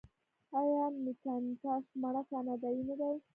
آیا مکینټاش مڼه کاناډايي نه ده؟